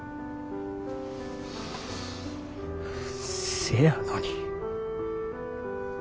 せやのに。